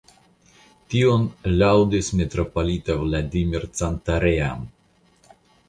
Tion laŭdis metropolito Vladimir Cantarean.